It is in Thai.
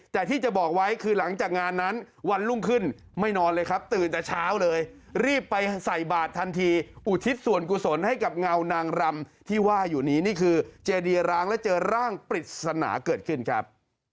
แต่ที่จะบอกไว้คือหลังจากงานนั้นวันรุ่งขึ้นไม่นอนเลยครับตื่นแต่เช้าเลยรีบไปใส่บาททันทีอุทิศส่วนกุศลให้กับเงานางรำที่ว่าอยู่นี้นี่คือเจดีร้างและเจอร่างปริศนาเกิดขึ้นครับ